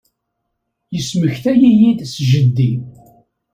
Yesmektay-iyi-d s jeddi.